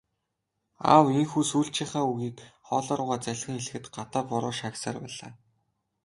Аав ийнхүү сүүлчийнхээ үгийг хоолой руугаа залгин хэлэхэд гадаа бороо шаагьсаар байлаа.